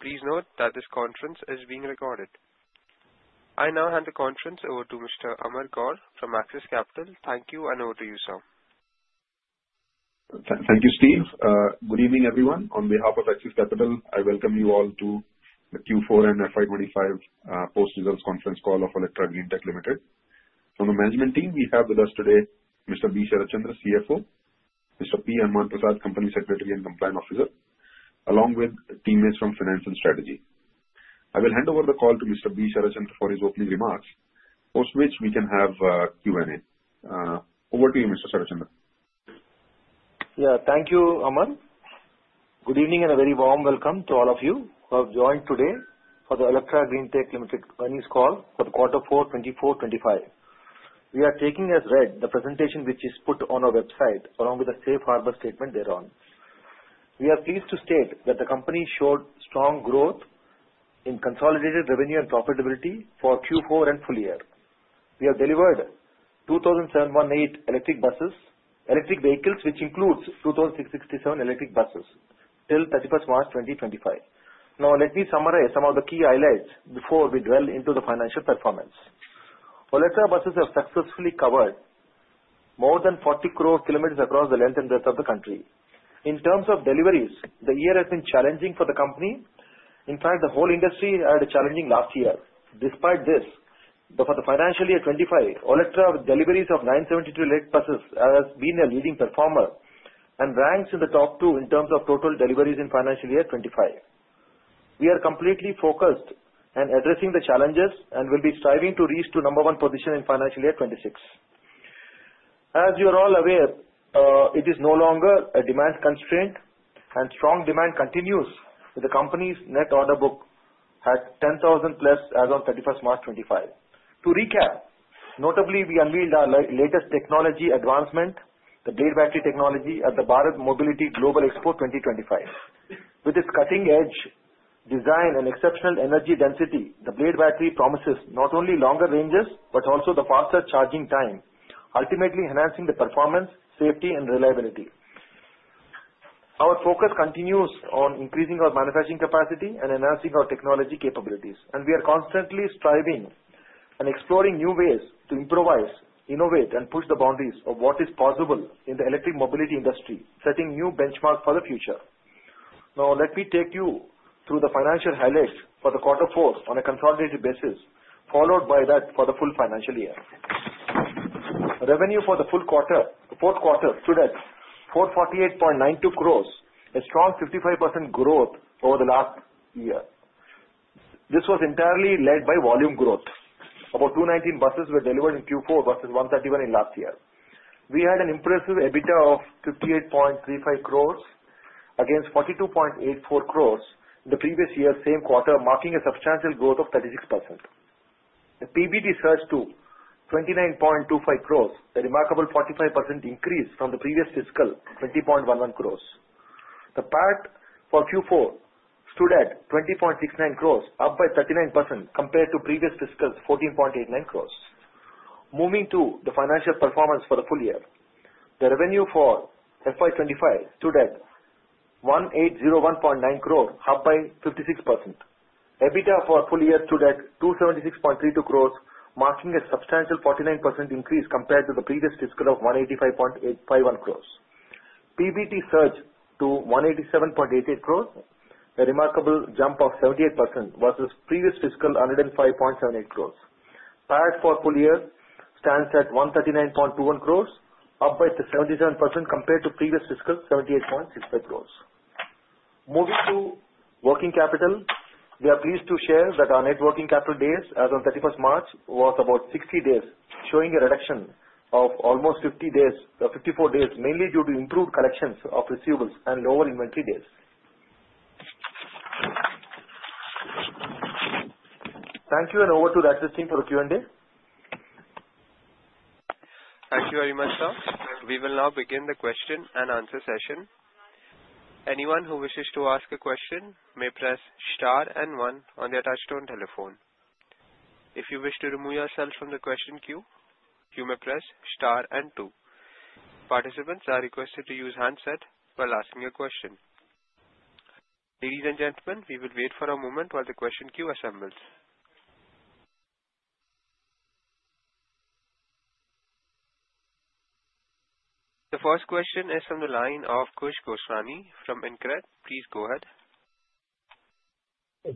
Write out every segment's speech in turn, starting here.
Please note that this conference is being recorded. I now hand the conference over to Mr. Amar Gaur from Axis Capital. Thank you, and over to you, sir. Thank you, Steve. Good evening, Everyone. On behalf of Axis Capital, I welcome you all to the Q4 and FY25 post-results conference call of Olectra Greentech Limited. From the management team, we have with us today Mr. B. Sharat Chandra, CFO, Mr. P. Hanuman Prasad, Company Secretary and Compliance Officer, along with teammates from Finance and Strategy. I will hand over the call to Mr. B. Sharat Chandra for his opening remarks, post which we can have a Q&A. Over to you, Mr. Sharat Chandra. Yeah, thank you, Amar. Good evening and a very warm welcome to all of you who have joined today for the Olectra Greentech Limited earnings call for the quarter four, 2024, 2025. We are taking as read the presentation which is put on our website along with a safe harbor statement thereon. We are pleased to state that the company showed strong growth in consolidated revenue and profitability for Q4 and full year. We have delivered 2,718 electric vehicles, which includes 2,667 electric buses till 31st March 2025. Now, let me summarize some of the key highlights before we drill into the financial performance. Olectra buses have successfully covered more than 40 crore kilometers across the length and breadth of the country. In terms of deliveries, the year has been challenging for the company. In fact, the whole industry had a challenging last year. Despite this, for the financial year 2025, Olectra with deliveries of 972 electric buses has been a leading performer and ranks in the top two in terms of total deliveries in financial year 2025. We are completely focused on addressing the challenges and will be striving to reach number one position in financial year 2026. As you are all aware, it is no longer a demand constraint, and strong demand continues with the company's net order book at 10,000 plus as of 31st March 2025. To recap, notably, we unveiled our latest technology advancement, the Blade Battery technology at the Bharat Mobility Global Expo 2025. With its cutting-edge design and exceptional energy density, the Blade Battery promises not only longer ranges but also the faster charging time, ultimately enhancing the performance, safety, and reliability. Our focus continues on increasing our manufacturing capacity and enhancing our technology capabilities, and we are constantly striving and exploring new ways to improvise, innovate, and push the boundaries of what is possible in the electric mobility industry, setting new benchmarks for the future. Now, let me take you through the financial highlights for the quarter four on a consolidated basis, followed by that for the full financial year. revenue for the fourth quarter stood at 448.92 crores, a strong 55% growth over the last year. This was entirely led by volume growth. About 219 buses were delivered in Q4 versus 131 in last year. We had an impressive EBITDA of 58.35 crores against 42.84 crores in the prEVious year's same quarter, marking a substantial growth of 36%. The PBT surge to 29.25 crores, a remarkable 45% increase from the prEVious fiscal 20.11 crores. The PAT for Q4 stood at 20.69 crores, up by 39% compared to prEVious fiscal 14.89 crores. Moving to the financial performance for the full year, the revenue for FY25 stood at 1,801.9 crores, up by 56%. EBITDA for full year stood at 276.32 crores, marking a substantial 49% increase compared to the prEVious fiscal of 185.851 crores. PBT surged to 187.88 crores, a remarkable jump of 78% versus prEVious fiscal 105.78 crores. PAT for full year stands at 139.21 crores, up by 77% compared to prEVious fiscal 78.65 crores. Moving to working capital, we are pleased to share that our net working capital days as of 31st March was about 60 days, showing a reduction of almost 54 days, mainly due to improved collections of receivables and lower inventory days. Thank you, and over to the Axis team for the Q&A. Thank you very much, sir. We will now begin the question and answer session. Anyone who wishes to ask a question may press star and one on the touch-tone telephone. If you wish to remove yourself from the question queue, you may press star and two. Participants are requested to use handset while asking a question. Ladies and gentlemen, we will wait for a moment while the question queue assembles. The first question is from the line of Khush Gosrani from InCred. Please go ahead.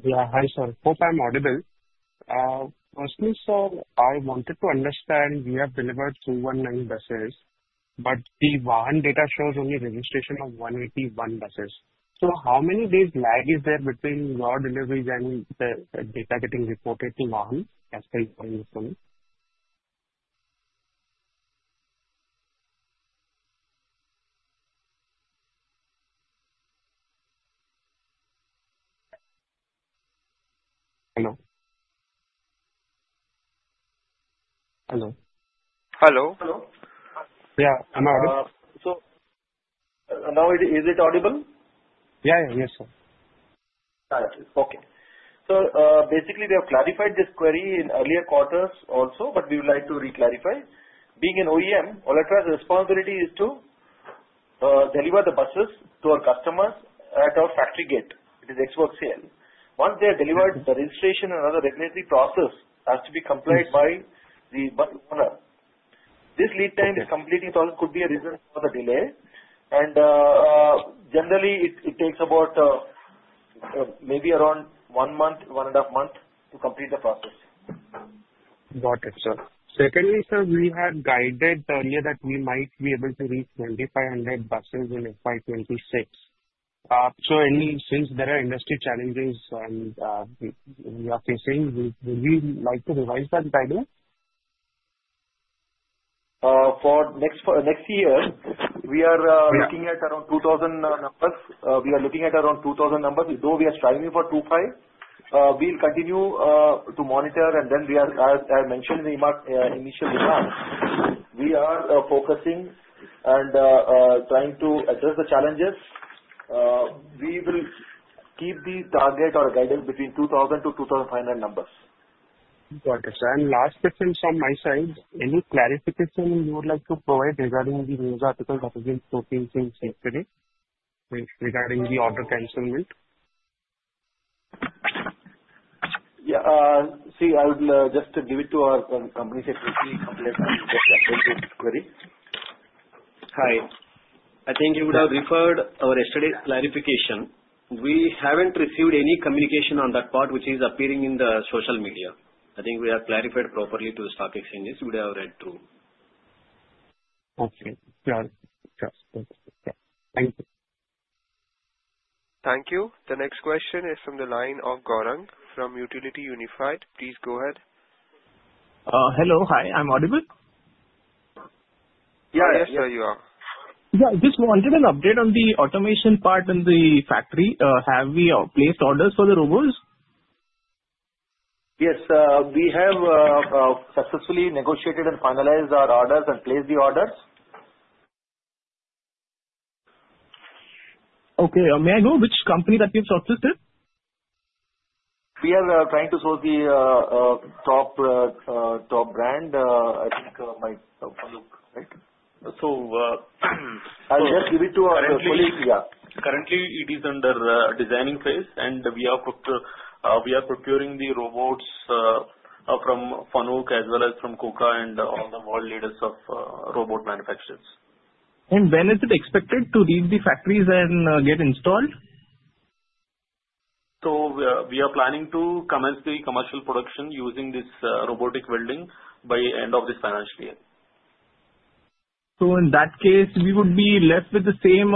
Yeah, hi, sir. Hope I'm audible. Firstly, sir, I wanted to understand we have delivered 219 buses, but the Vahan data shows only registration of 181 buses. So how many days' lag is there between your deliveries and the data getting reported to Vahan as per your information? Hello. Hello. Hello. Hello? Yeah, I'm audible. So now, is it audible? Yeah, yeah, yes, sir. Got it. Okay. So basically, we have clarified this query in earlier quarters also, but we would like to re-clarify. Being an OEM, Olectra's responsibility is to deliver the buses to our customers at our factory gate. It is export sale. Once they are delivered, the registration and other regulatory process has to be complied by the bus owner. This lead time is completely thought could be a reason for the delay, and generally, it takes about maybe around one month, one and a half months to complete the process. Got it, sir. Secondly, sir, we had guided earlier that we might be able to reach 2,500 buses in FY26. So since there are industry challenges we are facing, would we like to rEVise that guidance? For next year, we are looking at around 2,000 numbers. We are looking at around 2,000 numbers, though we are striving for 2,500. We'll continue to monitor, and then we are, as I mentioned in the initial remarks, we are focusing and trying to address the challenges. We will keep the target or guidance between 2,000 to 2,500 numbers. Got it, sir. And last question from my side. Any clarification you would like to provide regarding the news articles that have been posting since yesterday regarding the order cancellation? Yeah. See, I would just give it to our Company Secretary to complete the query. Hi. I think you would have referred our yesterday's clarification. We haven't received any communication on that part, which is appearing in the social media. I think we have clarified properly to the stock exchanges. We would have read through. Okay. Got it. Got it. Thank you. Thank you. The next question is from the line of Gaurang from Utility Unified. Please go ahead. Hello. Hi. I'm audible? Yeah, yes, sir, you are. Yeah. Just wanted an update on the automation part in the factory. Have we placed orders for the robots? Yes. We have successfully negotiated and finalized our orders and placed the orders. Okay. May I know which company that you've sourced this to? We are trying to source the top brand. I think my FANUC, right? So. I'll just give it to our colleague. Currently, it is under designing phase, and we are procuring the robots from FANUC as well as from KUKA and all the world leaders of robot manufacturers. And when is it expected to leave the factories and get installed? We are planning to commence the commercial production using this robotics welding by the end of this financial year. So in that case, we would be left with the same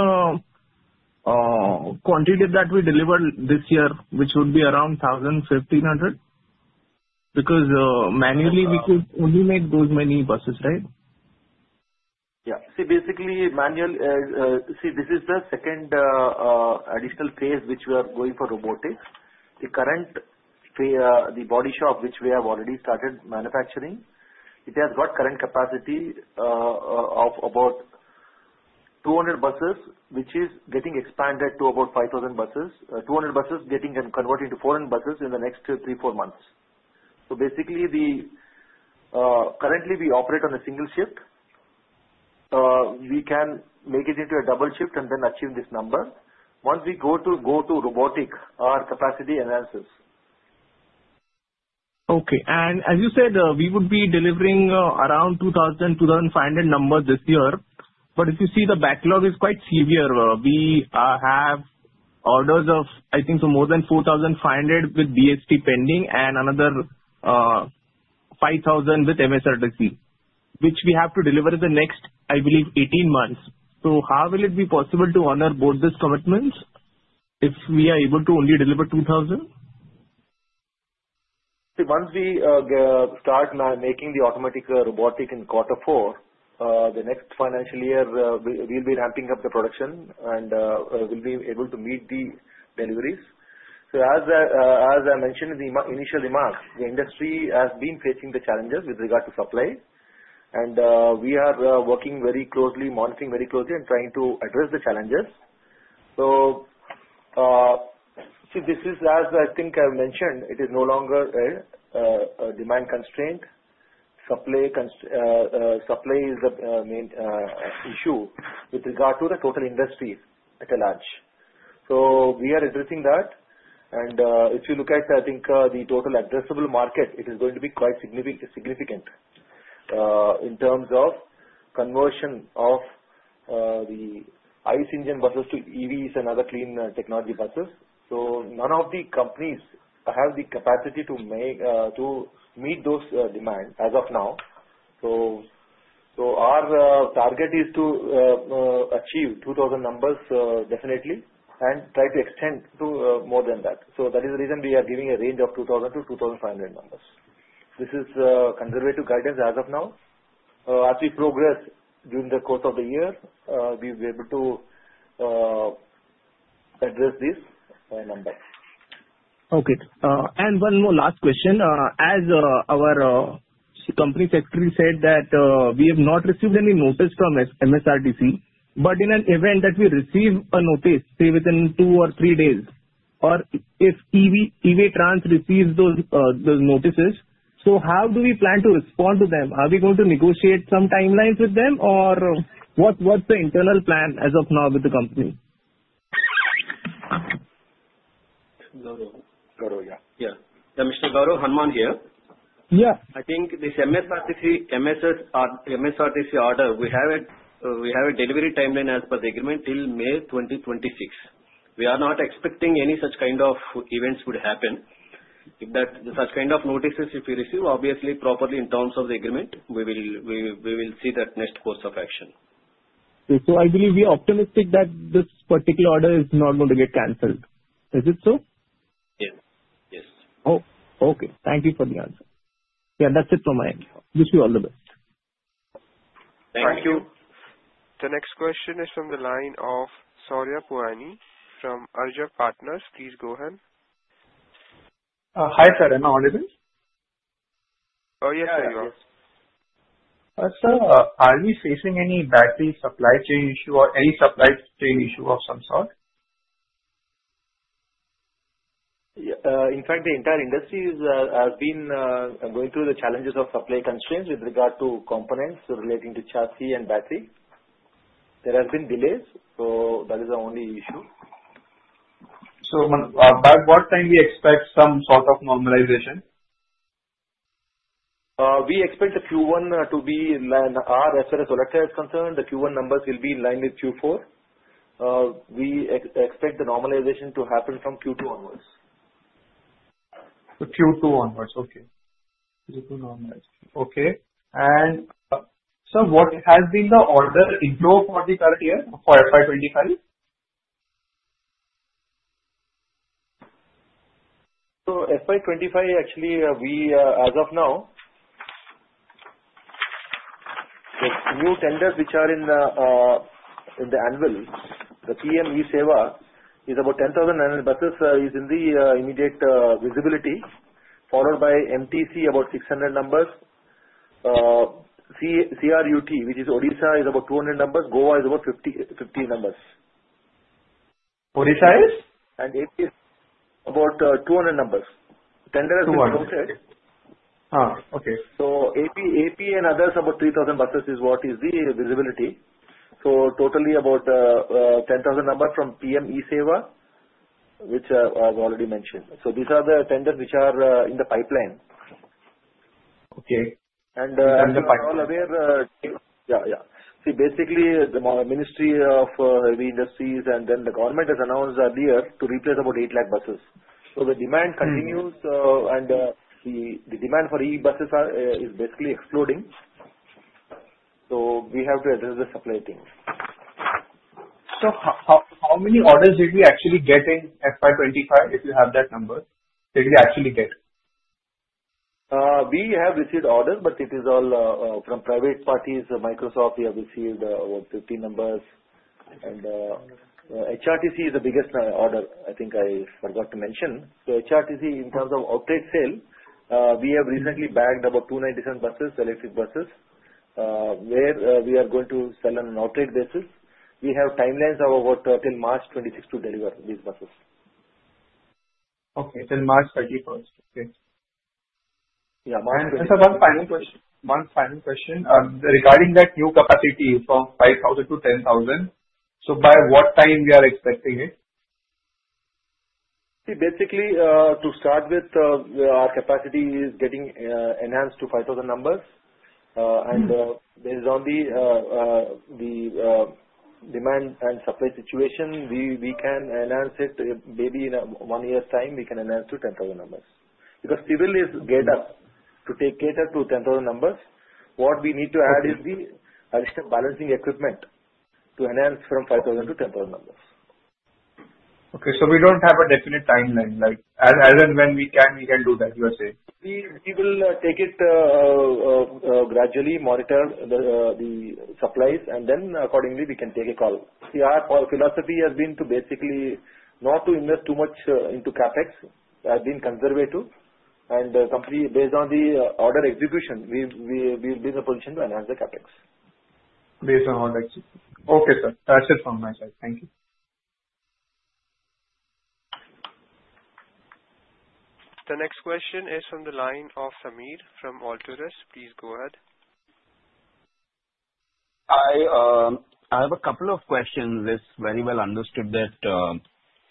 quantity that we delivered this year, which would be around 1,000-1,500? Because manually, we could only make those many buses, right? Yeah. See, basically, this is the second additional phase which we are going for roboticss. The current body shop, which we have already started manufacturing, it has got current capacity of about 200 buses, which is getting expanded to about 5,000 buses. 200 buses getting converted into 400 buses in the next three, four months, so basically, currently, we operate on a single shift. We can make it into a double shift and then achiEVe this number. Once we go to robotics, our capacity enhances. Okay. And as you said, we would be delivering around 2,000-2,500 numbers this year. But if you see, the backlog is quite sEVere. We have orders of, I think, more than 4,500 with BEST pending and another 5,000 with MSRTC, which we have to deliver in the next, I beliEVe, 18 months. So how will it be possible to honor both these commitments if we are able to only deliver 2,000? See, once we start making the automatic robotics in quarter four, the next financial year, we'll be ramping up the production and will be able to meet the deliveries. So as I mentioned in the initial remarks, the industry has been facing the challenges with regard to supply. And we are working very closely, monitoring very closely, and trying to address the challenges. So see, this is, as I think I've mentioned, it is no longer a demand constraint. Supply is the main issue with regard to the total industry at large. So we are addressing that. And if you look at, I think, the total addressable market, it is going to be quite significant in terms of conversion of the ICE engine buses to EVs and other clean technology buses. So none of the companies have the capacity to meet those demands as of now. Our target is to achiEVe 2,000 numbers definitely and try to extend to more than that. That is the reason we are giving a range of 2,000-2,500 numbers. This is conservative guidance as of now. As we progress during the course of the year, we'll be able to address this number. Okay. And one more last question. As our Company Secretary said that we have not received any notice from MSRTC, but in an event that we receive a notice, say, within two or three days, or if Every Trans receives those notices, so how do we plan to respond to them? Are we going to negotiate some timelines with them, or what's the internal plan as of now with the company? Gaurang. Gaurang, yeah. Yeah. Mr. Gaurang, Hanuman here. Yeah. I think this MSRTC order, we have a delivery timeline as per the agreement till May 2026. We are not expecting any such kind of events would happen. If such kind of notices if we receive, obviously, properly in terms of the agreement, we will see that next course of action. So I beliEVe we are optimistic that this particular order is not going to get canceled. Is it so? Yes. Yes. Oh, okay. Thank you for the answer. Yeah, that's it from my end. Wish you all the best. Thank you. Thank you. The next question is from the line of Shaurya Punyani from Arjav Partners. Please go ahead. Hi, sir. Am I audible? Yes, sir. You are. Yes. Sir, are we facing any battery supply chain issue or any supply chain issue of some sort? In fact, the entire industry has been going through the challenges of supply constraints with regard to components relating to chassis and battery. There have been delays, so that is the only issue. By what time do we expect some sort of normalization? We expect the Q1 to be in line. As far as Olectra is concerned, the Q1 numbers will be in line with Q4. We expect the normalization to happen from Q2 onwards. Q2 onwards. Okay. Q2 normalization. Okay. And sir, what has been the order inflow for the current year, for FY25? So FY25, actually, as of now, the new tenders which are in the anvil, the PM eBus Sewa is about 10,000 buses is in the immediate visibility, followed by MTC about 600 numbers. CRUT, which is Odisha, is about 200 numbers. Goa is about 50 numbers. Odisha is? AP is about 200 numbers. Tender has been promoted. AP? Okay. So AP and others about 3,000 buses is what is the visibility. So totally about 10,000 numbers from PM-eBus Sewa, which I've already mentioned. So these are the tenders which are in the pipeline. Okay. We are all aware. Yeah, yeah. See, basically, the Ministry of Heavy Industries and then the government has announced earlier to replace about 8 lakh buses. The demand continues, and the demand for EV buses is basically exploding. We have to address the supply chain. So how many orders did we actually get in FY25, if you have that number? Did we actually get? We have received orders, but it is all from private parties. Microsoft, we have received about 50 numbers. And HRTC is the biggest order, I think I forgot to mention. So HRTC, in terms of outright sale, we have recently bagged about 297 buses, electric buses, where we are going to sell on an outright basis. We have timelines of about till March 26 to deliver these buses. Okay. Till March 31st. Okay. Yeah. And, sir, one final question. One final question. Regarding that new capacity from 5,000 to 10,000, so by what time we are expecting it? See, basically, to start with, our capacity is getting enhanced to 5,000 numbers. And based on the demand and supply situation, we can enhance it. Maybe in one year's time, we can enhance to 10,000 numbers. Because Civil is geared to cater to 10,000 numbers. What we need to add is the additional balancing equipment to enhance from 5,000 to 10,000 numbers. Okay. So we don't have a definite timeline. As and when we can, we can do that, you are saying? We will take it gradually, monitor the supplies, and then accordingly, we can take a call. Our philosophy has been to basically not to invest too much into CapEx. We have been conservative, and based on the order execution, we've been in a position to enhance the CapEx. Based on all that. Okay, sir. That's it from my side. Thank you. The next question is from the line of Sameer from Alturas. Please go ahead. Hi. I have a couple of questions. It's very well understood that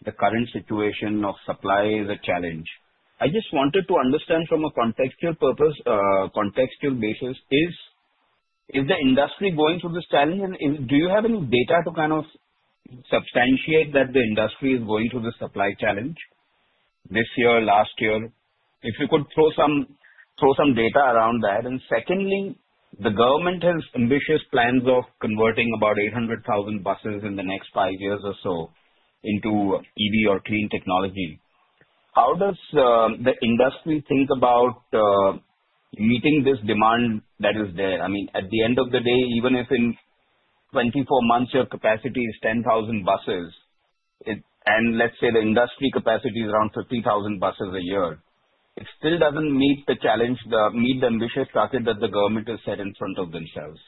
the current situation of supply is a challenge. I just wanted to understand from a contextual basis, is the industry going through this challenge? And do you have any data to kind of substantiate that the industry is going through this supply challenge this year, last year? If you could throw some data around that. And secondly, the government has ambitious plans of converting about 800,000 buses in the next five years or so into EV or clean technology. How does the industry think about meeting this demand that is there? I mean, at the end of the day, even if in 24 months your capacity is 10,000 buses, and let's say the industry capacity is around 50,000 buses a year, it still doesn't meet the challenge, meet the ambitious target that the government has set in front of themselves.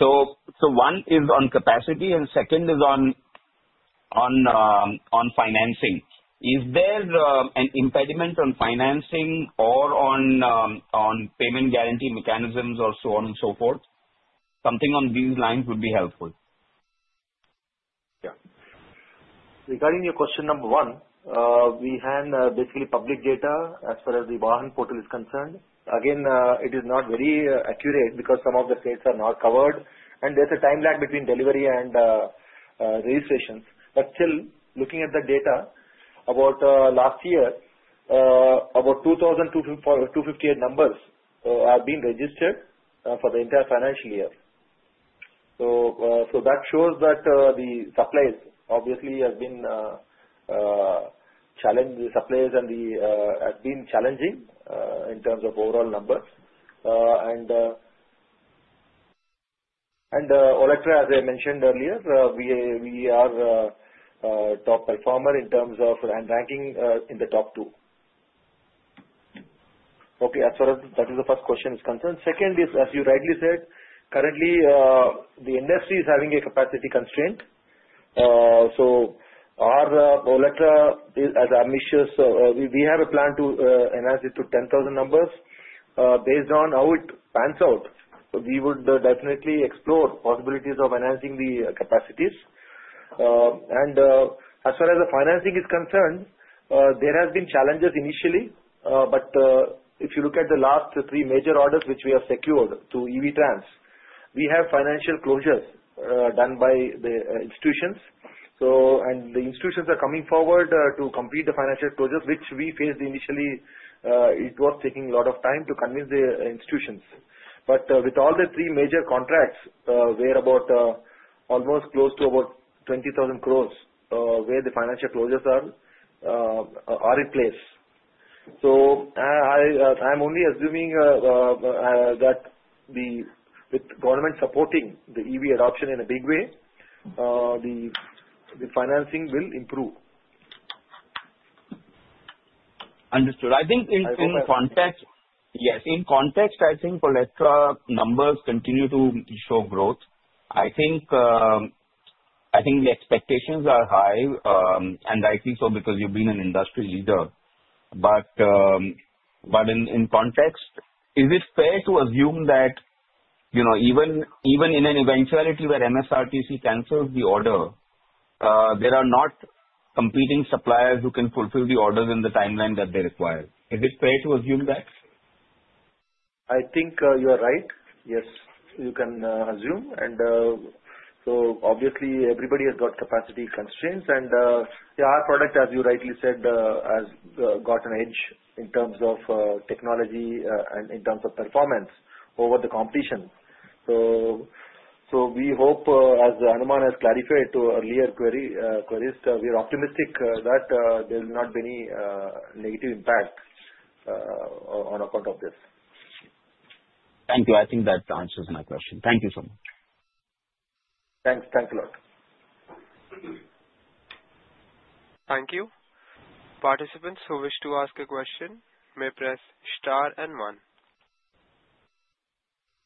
So one is on capacity, and second is on financing. Is there an impediment on financing or on payment guarantee mechanisms or so on and so forth? Something on these lines would be helpful. Yeah. Regarding your question number one, we have basically public data as far as the Vahan portal is concerned. Again, it is not very accurate because some of the states are not covered, and there's a time lag between delivery and registrations. But still, looking at the data about last year, about 2,258 numbers have been registered for the entire financial year. So that shows that the supplies obviously have been challenged and have been challenging in terms of overall numbers. And Olectra, as I mentioned earlier, we are a top performer in terms of ranking in the top two. Okay. As far as that is the first question is concerned. Second is, as you rightly said, currently, the industry is having a capacity constraint. So our Olectra is ambitious. We have a plan to enhance it to 10,000 numbers. Based on how it pans out, we would definitely explore possibilities of enhancing the capacities. And as far as the financing is concerned, there have been challenges initially. But if you look at the last three major orders which we have secured EV Trans, we have financial closures done by the institutions. And the institutions are coming forward to complete the financial closures, which we faced initially. It was taking a lot of time to convince the institutions. But with all the three major contracts, we're about almost close to about 20,000 crores where the financial closures are in place. So I am only assuming that with government supporting the EV adoption in a big way, the financing will improve. Understood. I think in context, yes. In context, I think Olectra numbers continue to show growth. I think the expectations are high, and I think so because you've been an industry leader. But in context, is it fair to assume that even in an eventuality where MSRTC cancels the order, there are not competing suppliers who can fulfill the orders in the timeline that they require? Is it fair to assume that? I think you are right. Yes, you can assume. And so obviously, everybody has got capacity constraints. And our product, as you rightly said, has got an edge in terms of technology and in terms of performance over the competition. So we hope, as Hanuman has clarified to earlier queries, we are optimistic that there will not be any negative impact on account of this. Thank you. I think that answers my question. Thank you so much. Thanks. Thank you a lot. Thank you. Participants who wish to ask a question may press star and one.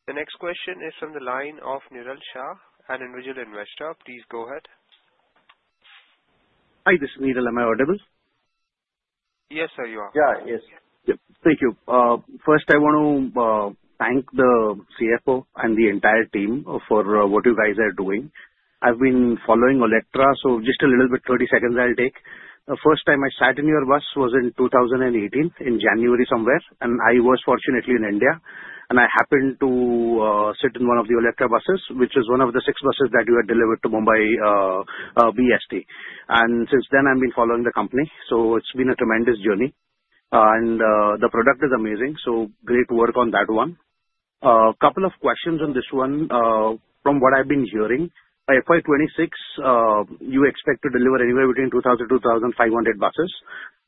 The next question is from the line of Neeral Shah, an individual investor. Please go ahead. Hi. This is Neeral. Am I audible? Yes, sir. You are. Yeah. Yes. Thank you. First, I want to thank the CFO and the entire team for what you guys are doing. I've been following Olectra, so just a little bit, 30 seconds I'll take. The first time I sat in your bus was in 2018, in January somewhere, and I was fortunately in India. And I happened to sit in one of the Olectra buses, which is one of the six buses that you had delivered to Mumbai BEST. And since then, I've been following the company. So it's been a tremendous journey. And the product is amazing. So great work on that one. A couple of questions on this one. From what I've been hearing, FY26, you expect to deliver anywhere between 2,000 to 2,500 buses.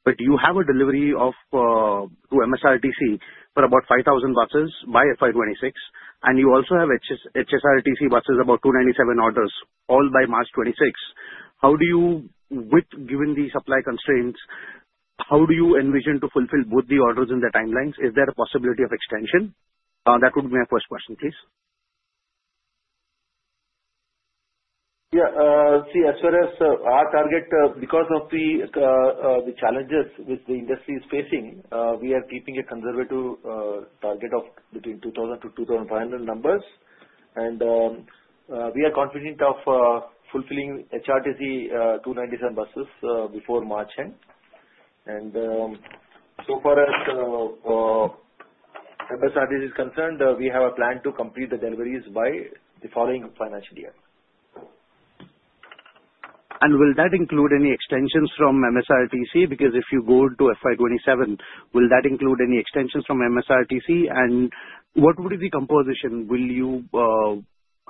But you have a delivery to MSRTC for about 5,000 buses by FY26. You also have HRTC buses, about 297 orders, all by March 26. Given the supply constraints, how do you envision to fulfill both the orders and the timelines? Is there a possibility of extension? That would be my first question, please. Yeah. See, as far as our target, because of the challenges which the industry is facing, we are keeping a conservative target of between 2,000 to 2,500 numbers. And we are confident of fulfilling HRTC 297 buses before March end. And so far as MSRTC is concerned, we have a plan to complete the deliveries by the following financial year. And will that include any extensions from MSRTC? Because if you go to FY27, will that include any extensions from MSRTC? And what would be the composition?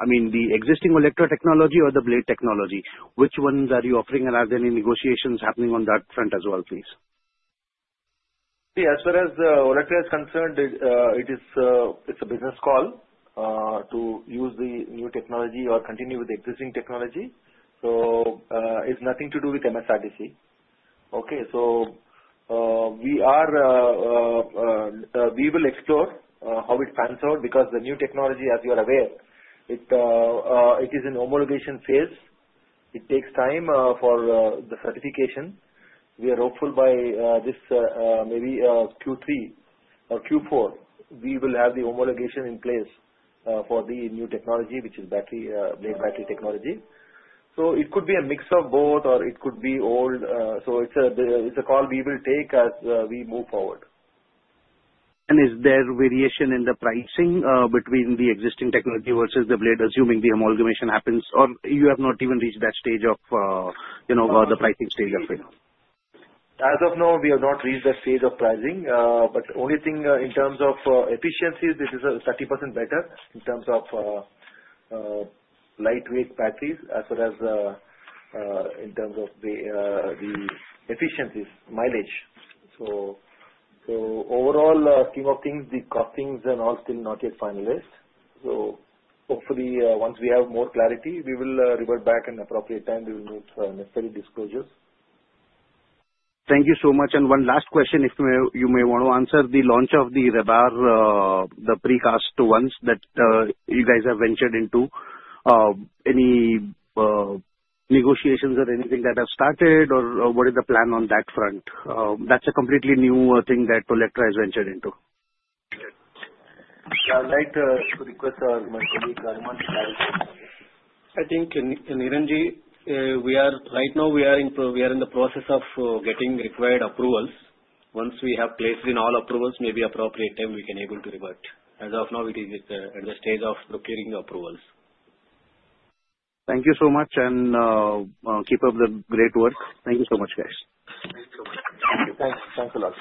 I mean, the existing Olectra technology or the Blade technology? Which ones are you offering? And are there any negotiations happening on that front as well, please? See, as far as Olectra is concerned, it's a business call to use the new technology or continue with the existing technology. So it's nothing to do with MSRTC. Okay. So we will explore how it pans out because the new technology, as you are aware, it is in homologation phase. It takes time for the certification. We are hopeful by this maybe Q3 or Q4, we will have the homologation in place for the new technology, which is Blade Battery technology. So it could be a mix of both, or it could be old. So it's a call we will take as we move forward. Is there variation in the pricing between the existing technology versus the Blade, assuming the homologation happens? Or you have not even reached that stage of the pricing stage of it? As of now, we have not reached that stage of pricing. But the only thing in terms of efficiency, this is 30% better in terms of lightweight batteries, as well as in terms of the efficiencies, mileage. So overall scheme of things, the costing is all still not yet finalized. So hopefully, once we have more clarity, we will rEVert back in appropriate time. We will make necessary disclosures. Thank you so much. And one last question, if you may want to answer. The launch of the Rebar, the precast ones that you guys have ventured into, any negotiations or anything that have started, or what is the plan on that front? That's a completely new thing that Olectra has ventured into. I'd like to request my colleague Hanuman to clarify. I think, Neeral ji, right now, we are in the process of getting required approvals. Once we have placed in all approvals, maybe appropriate time, we can be able to rEVert. As of now, we are at the stage of procuring the approvals. Thank you so much and keep up the great work. Thank you so much, guys. Thank you so much. Thank you. Thanks a lot.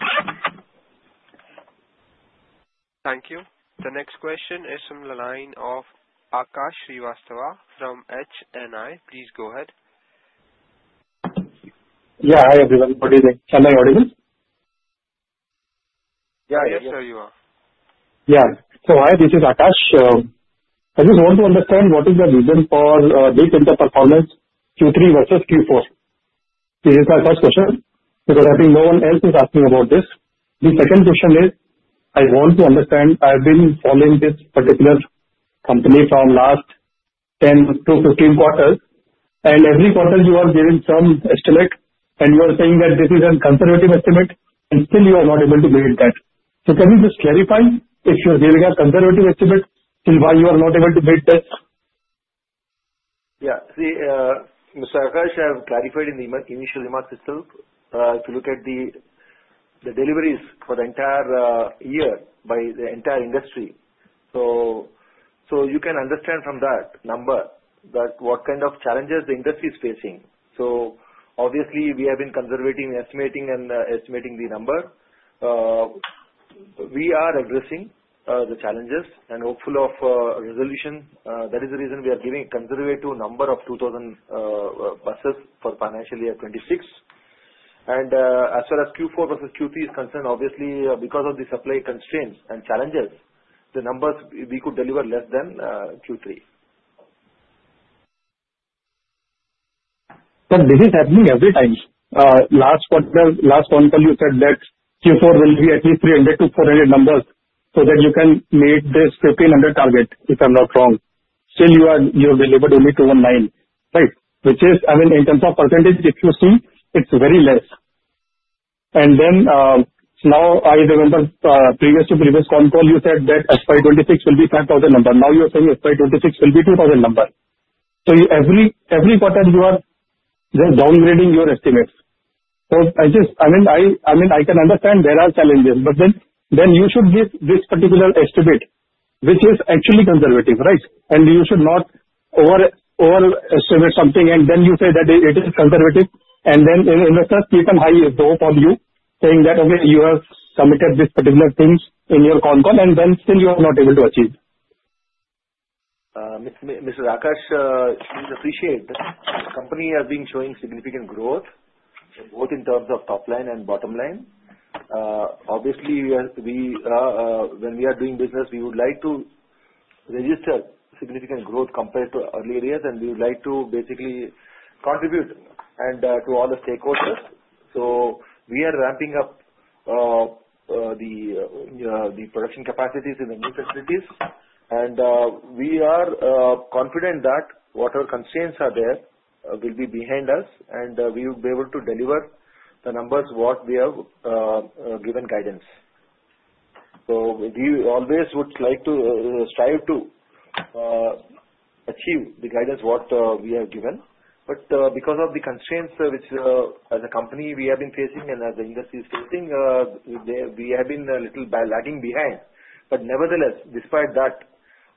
Thank you. The next question is from the line of Akash Srivastava from HNI. Please go ahead. Yeah. Hi, Everyone. Good evening. Am I audible? Yeah. Yes, sir. You are. Yeah. So hi, this is Akash. I just want to understand what is the reason for the big interim performance, Q3 versus Q4. This is my first question because I think no one else is asking about this. The second question is, I want to understand. I've been following this particular company from last 10 to 15 quarters. And every quarter, you are giving some estimate, and you are saying that this is a conservative estimate, and still you are not able to meet that. So can you just clarify if you're giving a conservative estimate? Why you are not able to meet this? Yeah. See, Mr. Akash, I have clarified in the initial remarks itself. If you look at the deliveries for the entire year by the entire industry, so you can understand from that number what kind of challenges the industry is facing. So obviously, we have been conservatively estimating the number. We are addressing the challenges and hopeful of resolution. That is the reason we are giving a conservative number of 2,000 buses for financial year 2026. And as far as Q4 versus Q3 is concerned, obviously, because of the supply constraints and challenges, the numbers we could deliver less than Q3. But this is happening every time. Last quarter, you said that Q4 will be at least 300-400 numbers so that you can meet this 1,500 target, if I'm not wrong. Still, you have delivered only 219, right? Which is, I mean, in terms of percentage, if you see, it's very less. And then now, I remember prEVious to prEVious con call, you said that FY26 will be 5,000 number. Now you're saying FY26 will be 2,000 number. So every quarter, you are just downgrading your estimates. So I mean, I can understand there are challenges, but then you should give this particular estimate, which is actually conservative, right? And you should not overestimate something, and then you say that it is conservative. And then investors keep on high hopes on you, saying that, "Okay, you have committed these particular things in your con call," and then still you are not able to achiEVe. Mr. Akash, we appreciate that the company has been showing significant growth, both in terms of top line and bottom line. Obviously, when we are doing business, we would like to register significant growth compared to earlier years, and we would like to basically contribute to all the stakeholders. So we are ramping up the production capacities in the new facilities, and we are confident that whatever constraints are there will be behind us, and we will be able to deliver the numbers what we have given guidance. So we always would like to strive to achiEVe the guidance what we have given. But because of the constraints which, as a company, we have been facing and as the industry is facing, we have been a little lagging behind. But nEVertheless, despite that,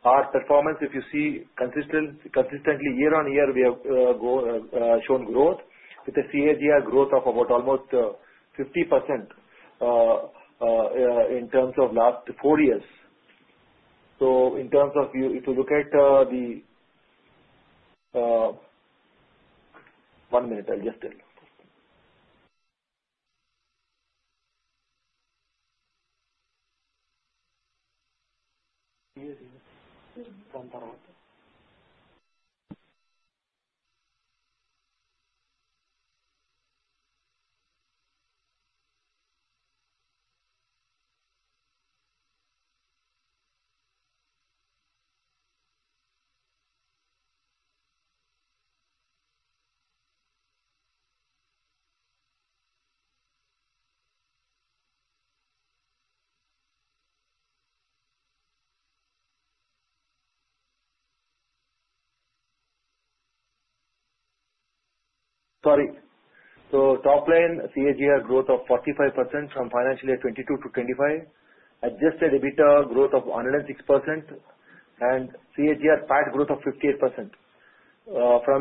our performance, if you see, consistently year on year, we have shown growth with a CAGR growth of about almost 50% in terms of last four years. So in terms of if you look at the one minute, I'll just tell. Sorry. So top line, CAGR growth of 45% from financial year 2022 to 2025, adjusted EBITDA growth of 106%, and CAGR PAT growth of 58%. From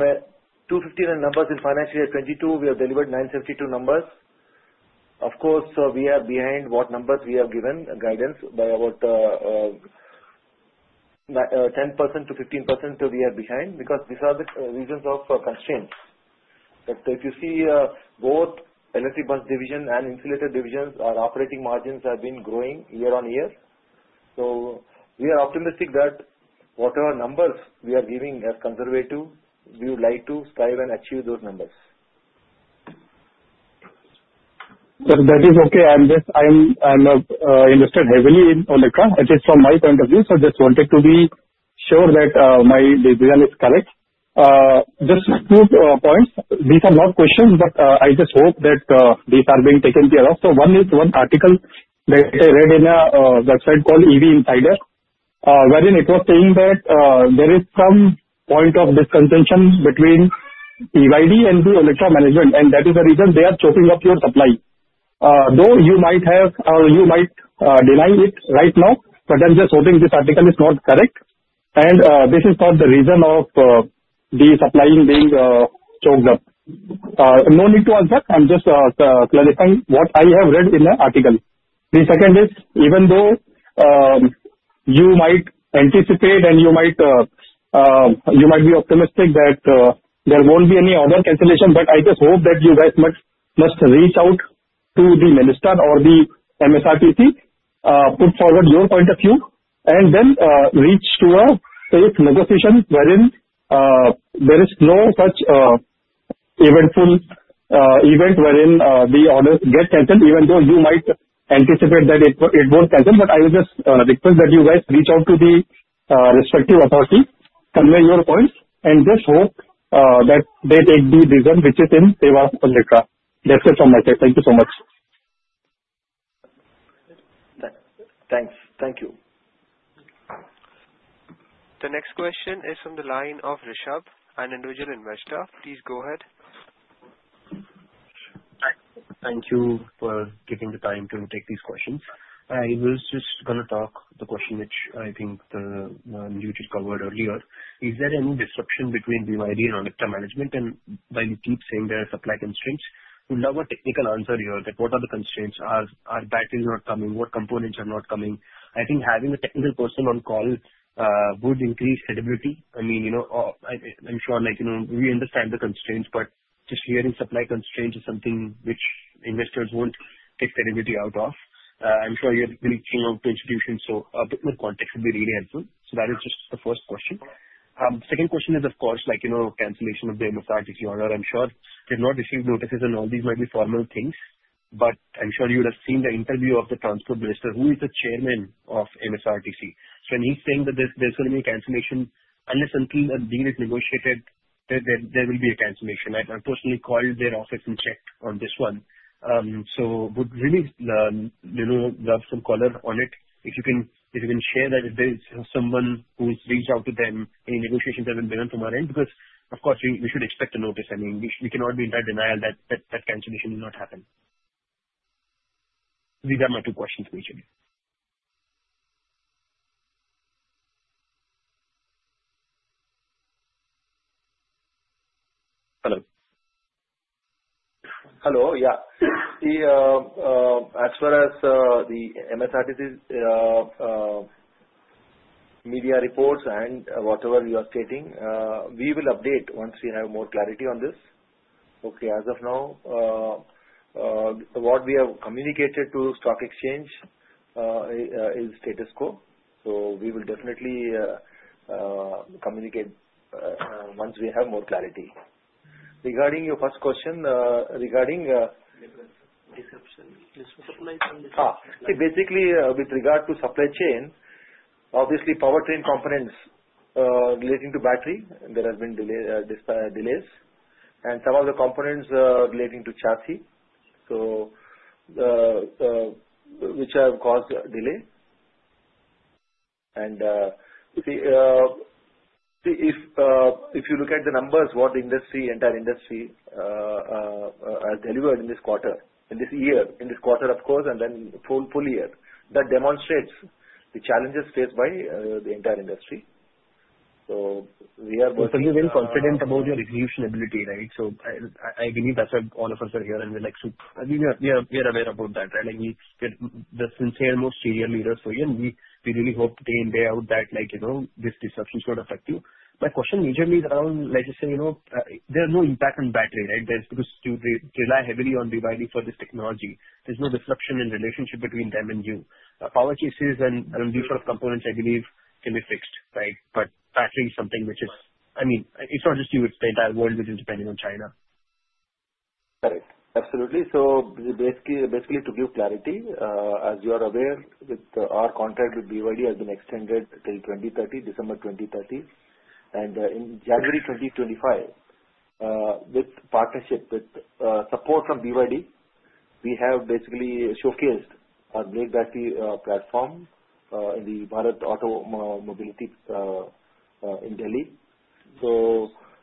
259 numbers in financial year 2022, we have delivered 972 numbers. Of course, we are behind what numbers we have given guidance by about 10%-15%. We are behind because these are the reasons of constraints. But if you see, both electric bus division and insulator division's operating margins have been growing year on year. So we are optimistic that whatever numbers we are giving as conservative, we would like to strive and achiEVe those numbers. That is okay. I'm invested heavily in Olectra. At least from my point of view, so I just wanted to be sure that my decision is correct. Just two points. These are not questions, but I just hope that these are being taken care of. So one article that I read in a website called EV Insider, wherein it was saying that there is some point of contention between BYD and the Olectra management, and that is the reason they are choking up your supply. Though you might have or you might deny it right now, but I'm just hoping this article is not correct. And this is not the reason of the supply being choked up. No need to answer. I'm just clarifying what I have read in the article. The second is, even though you might anticipate and you might be optimistic that there won't be any other cancellation, but I just hope that you guys must reach out to the minister or the MSRTC, put forward your point of view, and then reach to a safe negotiation wherein there is no such eventful event wherein the orders get canceled, even though you might anticipate that it won't cancel. But I will just request that you guys reach out to the respective authority, convey your points, and just hope that they take the decision which is in favor of Olectra. That's it from my side. Thank you so much. Thanks. Thank you. The next question is from the line of Rishabh, an individual investor. Please go ahead. Thank you for giving the time to take these questions. I was just going to talk the question which I think you just covered earlier. Is there any disruption between BYD and Olectra management? While you keep saying there are supply constraints, we love a technical answer here that what are the constraints? Are batteries not coming? What components are not coming? I think having a technical person on call would increase credibility. I mean, I'm sure we understand the constraints, but just hearing supply constraints is something which investors won't take credibility out of. I'm sure you're reaching out to institutions, so a bit more context would be really helpful. That is just the first question. Second question is, of course, cancellation of the MSRTC order. I'm sure they've not received notices, and all these might be formal things, but I'm sure you would have seen the interview of the transport minister, who is the chairman of MSRTC. So when he's saying that there's going to be a cancellation, unless until a deal is negotiated, there will be a cancellation. I personally called their office and checked on this one. So would really love some color on it. If you can share that if there is someone who's reached out to them, any negotiations have been done from our end, because, of course, we should expect a notice. I mean, we cannot be in that denial that that cancellation will not happen. These are my two questions for each of you. Hello. Hello. Yeah. As far as the MSRTC media reports and whatever you are stating, we will update once we have more clarity on this. Okay. As of now, what we have communicated to the stock exchange is status quo. So we will definitely communicate once we have more clarity. Regarding your first question regarding. Disruption. Disruption. Basically, with regard to supply chain, obviously, powertrain components relating to battery, there have been delays, and some of the components relating to chassis, which have caused delay, and if you look at the numbers, what the industry, entire industry, has delivered in this quarter, in this year, in this quarter, of course, and then full year, that demonstrates the challenges faced by the entire industry, so we are working. But you're very confident about your execution ability, right? So I beliEVe that's why all of us are here, and we're like. We are aware about that. And we're the sincere, most senior leaders for you, and we really hope day in, day out that this disruption should affect you. My question majorly is around, like you say, there is no impact on battery, right? You rely heavily on BYD for this technology. There's no disruption in relationship between them and you. Power cases and these sort of components, I beliEVe, can be fixed, right? But battery is something which is, I mean, it's not just you. It's the entire world which is depending on China. Correct. Absolutely. So basically, to give clarity, as you are aware, our contract with BYD has been extended till 2030, December 2030. And in January 2025, with partnership, with support from BYD, we have basically showcased our Blade Battery platform in the Bharat Mobility in Delhi.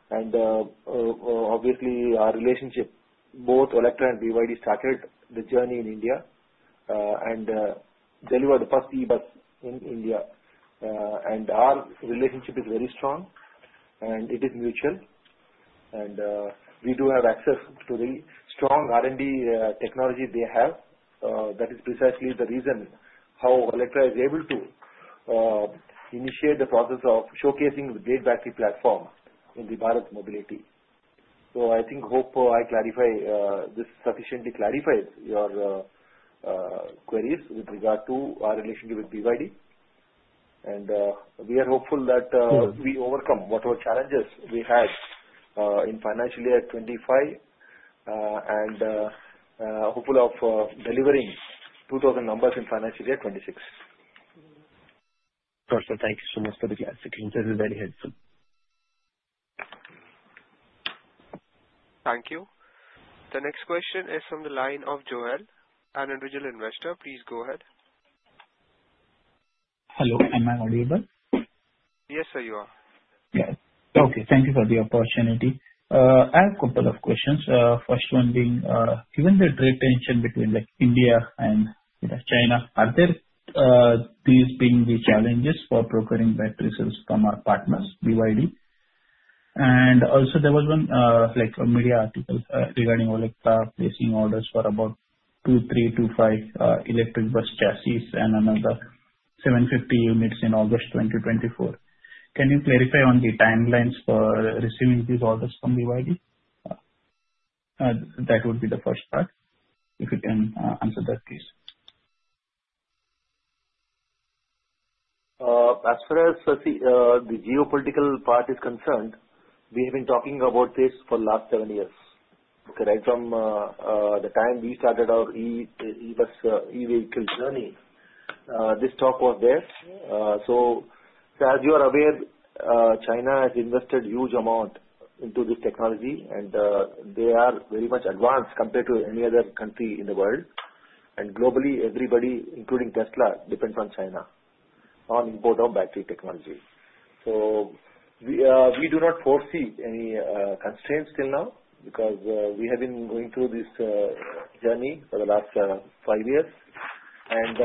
And obviously, our relationship, both Olectra and BYD, started the journey in India and delivered the first E-bus in India. And our relationship is very strong, and it is mutual. And we do have access to the strong R&D technology they have. That is precisely the reason how Olectra is able to initiate the process of showcasing the Blade Battery platform in the Bharat Mobility. So I think this sufficiently clarifies your queries with regard to our relationship with BYD. We are hopeful that we overcome whatever challenges we had in financial year 2025 and hopeful of delivering 2,000 numbers in financial year 2026. Of course. Thank you so much for the clarification. This is very helpful. Thank you. The next question is from the line of Joel. An individual investor. Please go ahead. Hello. Am I audible? Yes, sir, you are. Yes. Okay. Thank you for the opportunity. I have a couple of questions. First one being, given the trade tension between India and China, are there these being the challenges for procuring batteries from our partners, BYD? And also, there was one media article regarding Olectra placing orders for about 2,325 electric bus chassis and another 750 units in August 2024. Can you clarify on the timelines for receiving these orders from BYD? That would be the first part, if you can answer that, please. As far as the geopolitical part is concerned, we have been talking about this for the last seven years, correct? From the time we started our E-vehicle journey, this talk was there. So as you are aware, China has invested a huge amount into this technology, and they are very much advanced compared to any other country in the world. And globally, everybody, including Tesla, depends on China on the import of battery technology. So we do not foresee any constraints till now because we have been going through this journey for the last five years. And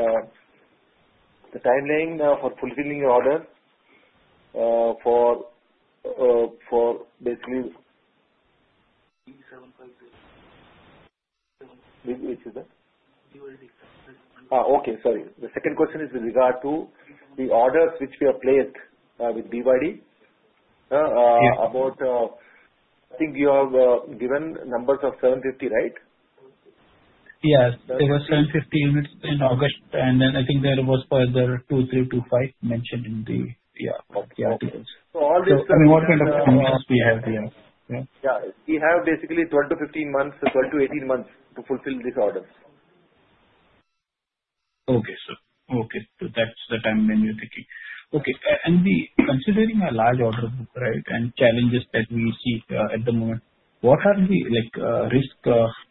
the timeline for fulfilling your order for basically. Which is that? Okay. Sorry. The second question is with regard to the orders which we have placed with BYD about I think you have given numbers of 750, right? Yes. There were 750 units in August, and then I think there was further 2,325 mentioned in the articles. So all this. I mean, what kind of conditions we have here? Yeah. We have basically 12 to 15 months, 12 to 18 months to fulfill these orders. Okay. So that's the timeline you're taking. Okay. And considering a large order, right, and challenges that we see at the moment, what are the risk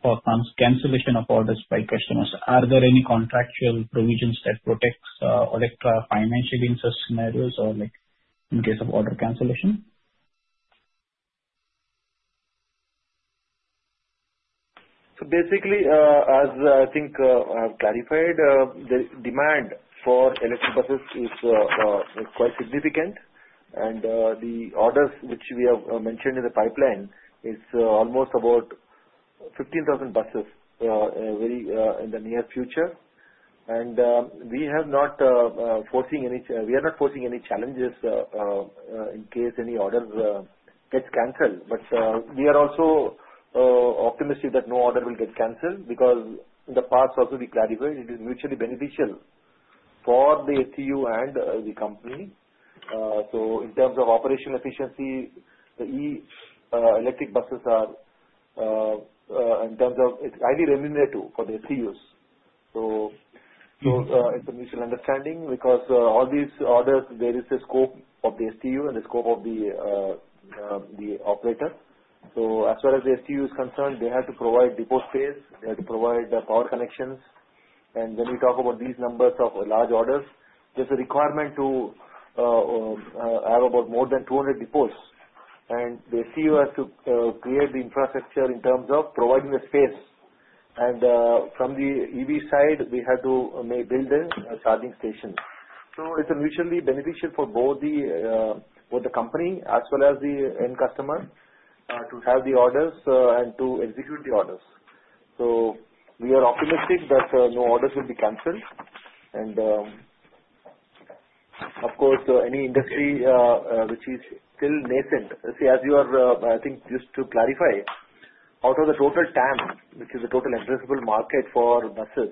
for cancellation of orders by customers? Are there any contractual provisions that protect Olectra financially in such scenarios or in case of order cancellation? Basically, as I think I have clarified, the demand for electric buses is quite significant. The orders which we have mentioned in the pipeline is almost about 15,000 buses in the near future. We are not forcing any challenges in case any orders get canceled. We are also optimistic that no order will get canceled because in the past also we clarified, it is mutually beneficial for the STU and the company. In terms of operational efficiency, the electric buses are in terms of it's highly remunerative for the STUs. It's a mutual understanding because all these orders, there is a scope of the STU and the scope of the operator. As far as the STU is concerned, they have to provide depot space. They have to provide power connections. When we talk about these numbers of large orders, there's a requirement to have about more than 200 depots. The STU has to create the infrastructure in terms of providing the space. From the EV side, we have to build a charging station. It's mutually beneficial for both the company, as well as the end customer, to have the orders and to execute the orders. We are optimistic that no orders will be canceled. Of course, any industry which is still nascent, see, as you are, I think, just to clarify, out of the total TAM, which is the total addressable market for buses,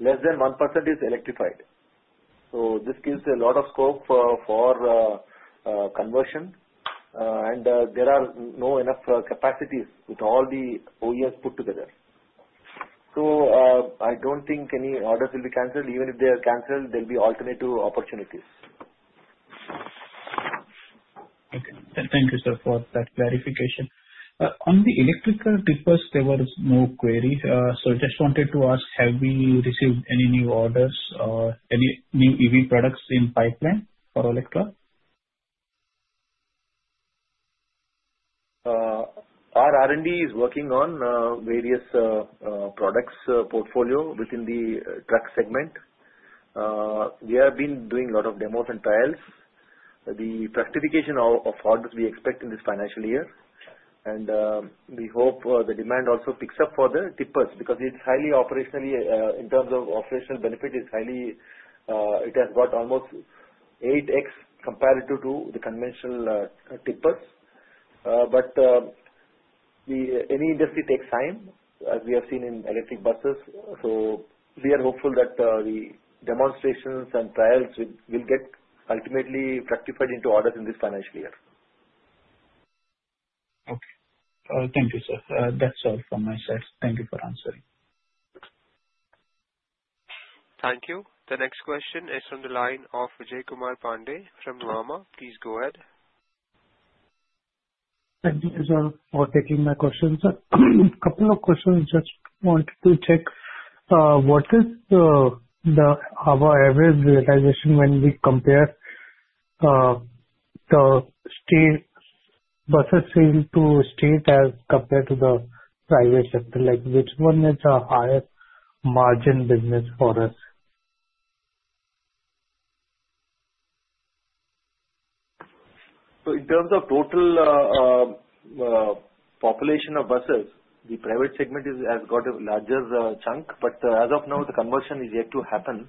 less than 1% is electrified. This gives a lot of scope for conversion. There are no enough capacities with all the OEMs put together. I don't think any orders will be canceled. even if they are canceled, there will be alternative opportunities. Okay. Thank you, sir, for that clarification. On the electrical depots, there was no query. So I just wanted to ask, have we received any new orders or any new EV products in pipeline for Olectra? Our R&D is working on various products portfolio within the truck segment. We have been doing a lot of demos and trials. The Fructification of orders we expect in this financial year, and we hope the demand also picks up for the tippers because it's highly operationally in terms of operational benefit, it has got almost 8x compared to the conventional tippers, but any industry takes time, as we have seen in electric buses, so we are hopeful that the demonstrations and trials will get ultimately rectified into orders in this financial year. Okay. Thank you, sir. That's all from my side. Thank you for answering. Thank you. The next question is from the line of Vijaykumar Pandey from Llama. Please go ahead. Thank you, sir, for taking my question, sir. A couple of questions. Just wanted to check what is the average realization when we compare the state buses sale to state as compared to the private sector? Which one is a higher margin business for us? So in terms of total population of buses, the private segment has got a larger chunk. But as of now, the conversion is yet to happen,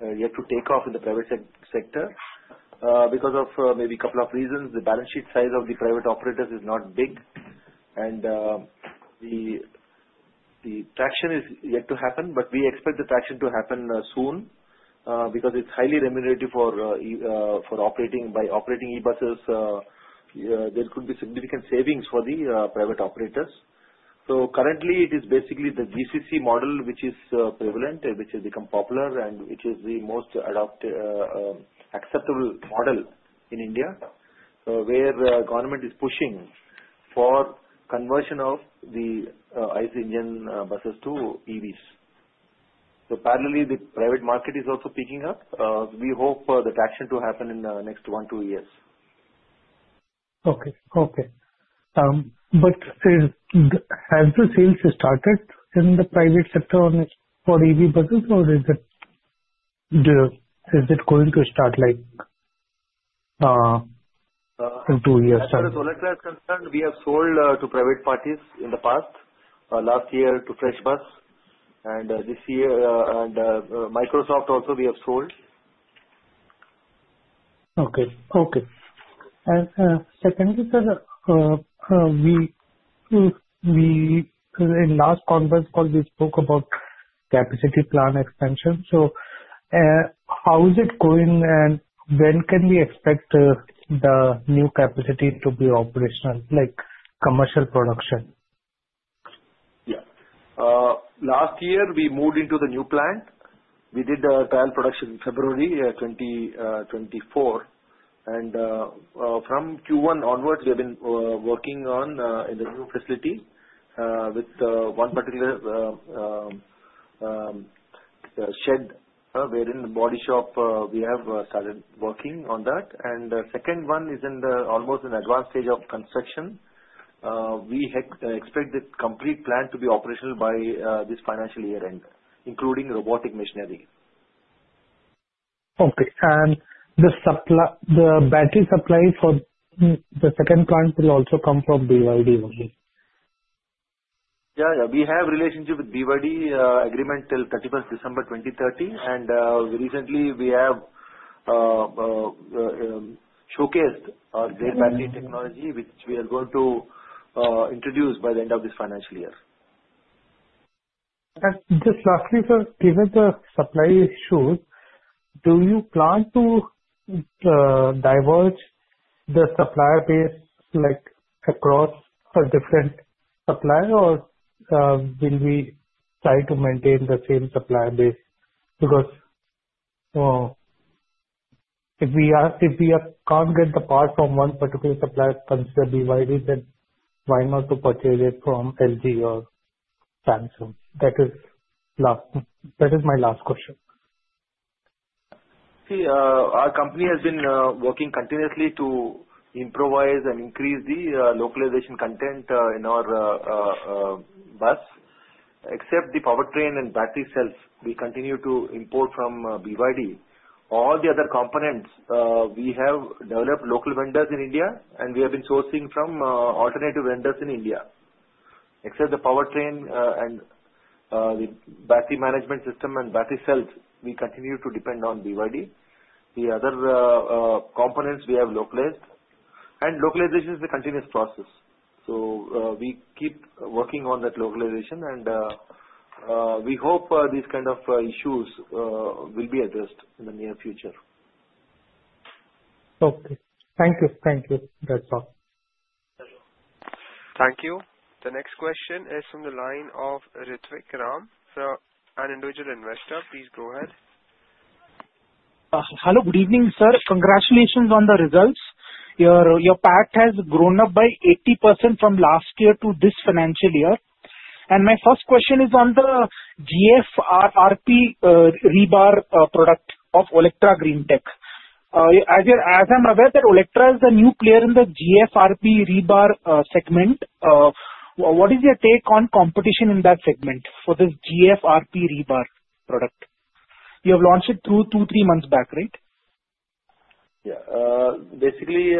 yet to take off in the private sector because of maybe a couple of reasons. The balance sheet size of the private operators is not big. And the traction is yet to happen. But we expect the traction to happen soon because it's highly remunerative for operating e-buses. There could be significant savings for the private operators. So currently, it is basically the GCC model, which is prEValent, which has become popular, and which is the most acceptable model in India, where government is pushing for conversion of the ICE engine buses to EVs. So parallelly, the private market is also picking up. We hope the traction to happen in the next one, two years. But has the sales started in the private sector for the EV buses, or is it going to start in two years' time? As far as Olectra is concerned, we have sold to private parties in the past, last year to FreshBus, and this year, and Microsoft also, we have sold. Okay. Okay, and secondly, sir, in the last conference call, we spoke about capacity plan expansion, so how is it going, and when can we expect the new capacity to be operational, like commercial production? Yeah. Last year, we moved into the new plant. We did trial production in February 2024. And from Q1 onwards, we have been working on the new facility with one particular shed wherein the body shop we have started working on that. And the second one is almost in advanced stage of construction. We expect the complete plant to be operational by this financial year end, including robotics machinery. Okay. And the battery supply for the second plant will also come from BYD only? Yeah. We have a relationship with BYD agreement till 31st December 2030. And recently, we have showcased our Blade Battery technology, which we are going to introduce by the end of this financial year. Just lastly, sir, given the supply issues, do you plan to diverge the supplier base across a different supplier, or will we try to maintain the same supplier base? Because if we can't get the part from one particular supplier considered BYD, then why not to purchase it from LG or Samsung? That is my last question. See, our company has been working continuously to improve and increase the localization content in our bus. Except the powertrain and battery cells, we continue to import from BYD. All the other components, we have dEVeloped local vendors in India, and we have been sourcing from alternative vendors in India. Except the powertrain and the battery management system and battery cells, we continue to depend on BYD. The other components, we have localized, and localization is a continuous process, so we keep working on that localization, and we hope these kinds of issues will be addressed in the near future. Okay. Thank you. Thank you. That's all. Thank you. The next question is from the line of Rithvik Ram, so an individual investor. Please go ahead. Hello. Good evening, sir. congratulations on the results. Your PAT has grown up by 80% from last year to this financial year, and my first question is on the GFRP rebar product of Olectra Greentech. As I'm aware, Olectra is the new player in the GFRP rebar segment. What is your take on competition in that segment for this GFRP rebar product? You have launched it two, three months back, right? Yeah. Basically,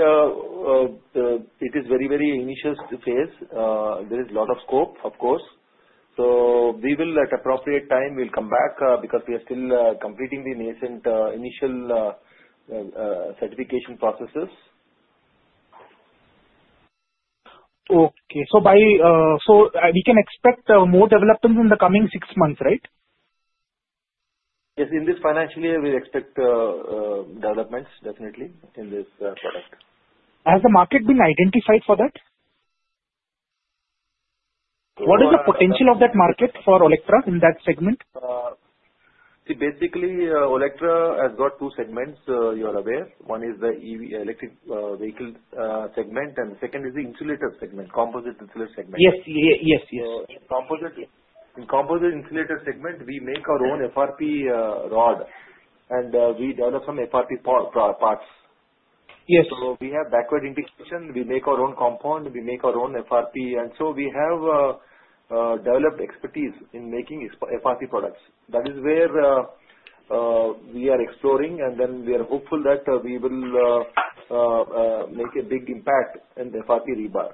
it is very, very initial phase. There is a lot of scope, of course. So we will, at appropriate time, come back because we are still completing the nascent initial certification processes. Okay, so we can expect more dEVelopments in the coming six months, right? Yes. In this financial year, we expect dEVelopments, definitely, in this product. Has the market been identified for that? What is the potential of that market for Olectra in that segment? See, basically, Olectra has got two segments, you are aware. One is the electric vehicle segment, and the second is the insulator segment, composite insulator segment. Yes. Yes. Yes. In the composite insulator segment, we make our own FRP rod, and we dEVelop some FRP parts. So we have backward integration. We make our own compound. We make our own FRP. And so we have dEVeloped expertise in making FRP products. That is where we are exploring, and then we are hopeful that we will make a big impact in FRP rebar.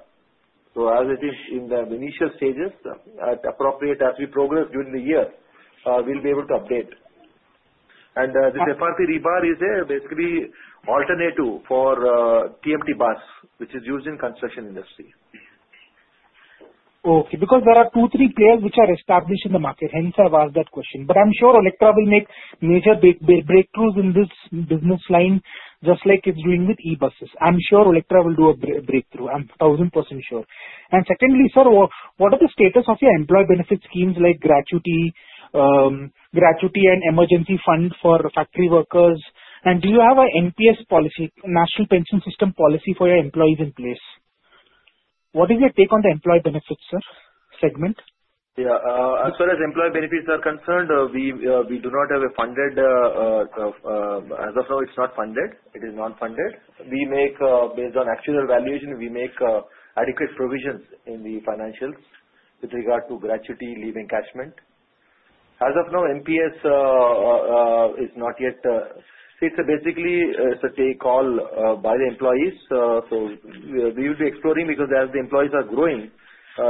So as it is in the initial stages, at an appropriate time as we progress during the year, we'll be able to update. And this FRP rebar is basically an alternative for TMT bars, which is used in the construction industry. Okay. Because there are two, three players which are established in the market. Hence, I've asked that question. But I'm sure Olectra will make major breakthroughs in this business line, just like it's doing with E-buses. I'm sure Olectra will do a breakthrough. I'm 1,000% sure. And secondly, sir, what are the status of your employee benefit schemes like gratuity and emergency fund for factory workers? And do you have an NPS policy, National Pension System policy, for your employees in place? What is your take on the employee benefits, sir, segment? Yeah. As far as employee benefits are concerned, we do not have a funded as of now, it's not funded. It is unfunded. Based on actual valuation, we make adequate provisions in the financials with regard to gratuity, leave encashment. As of now, NPS is not yet, see, it's basically a take-all by the employees. So we will be exploring because as the employees are growing,